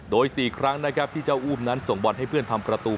โดย๔ครั้งนะครับที่เจ้าอุ้มนั้นส่งบอลให้เพื่อนทำประตู